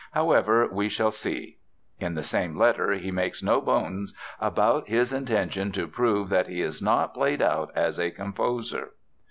However, we shall see." In the same letter he makes no bones about his intention to prove that he is not "played out as a composer."